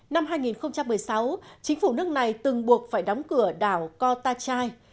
năm hai nghìn một mươi sáu chính phủ nước này từng buộc phải đóng cửa đảo kota chai